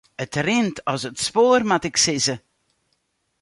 It rint as it spoar moat ik sizze.